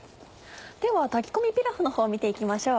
では炊き込みピラフのほうを見て行きましょう。